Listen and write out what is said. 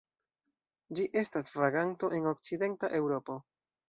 Ĝi estas vaganto en okcidenta Eŭropo.